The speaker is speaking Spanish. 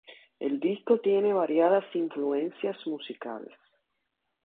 El disco tiene variadas influencias musicales.